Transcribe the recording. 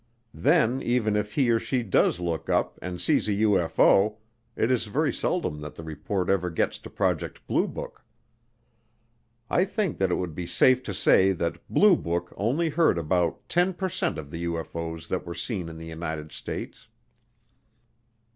Then even if he or she does look up and sees a UFO, it is very seldom that the report ever gets to Project Blue Book. I think that it would be safe to say that Blue Book only heard about 10 per cent of the UFO's that were seen in the United States.